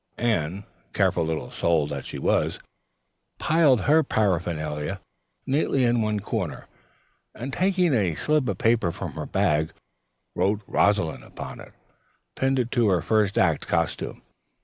Anne, careful little soul that she was, piled her paraphernalia neatly in one corner, and taking a slip of paper from her bag wrote "Rosalind" upon it, pinning it to her first act costume.